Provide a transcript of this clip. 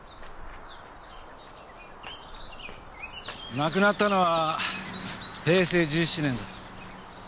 亡くなったのは平成１７年だ。